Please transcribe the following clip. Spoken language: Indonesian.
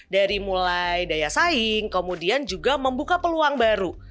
dari mulai daya saing kemudian juga membuka peluang baru